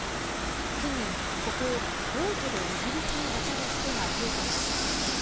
近年、ここをボートでイギリスに渡る人が増えています。